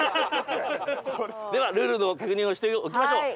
ではルールの確認をしておきましょう。